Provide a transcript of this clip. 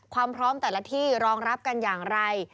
ความพร้อมแต่ละที่รองรับกันอย่างไร